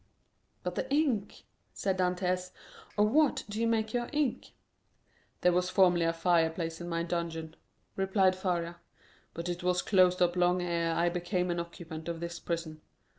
"But the ink," said Dantès; "of what did you make your ink?" "There was formerly a fireplace in my dungeon," replied Faria, "but it was closed up long ere I became an occupant of this prison.